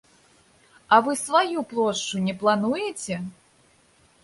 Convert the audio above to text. А вы сваю плошчу не плануеце?